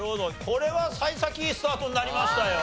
これは幸先いいスタートになりましたよ。